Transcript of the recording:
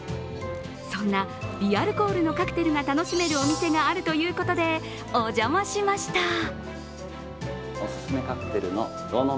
そんな微アルコールのカクテルが楽しめるお店があるということで、お邪魔しました。